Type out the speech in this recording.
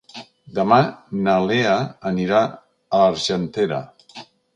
Demà na Lea anirà a l'Argentera.